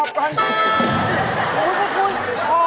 มองไม่เห็นหอบอะไรนะ